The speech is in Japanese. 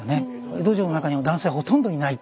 江戸城の中には男性ほとんどいない。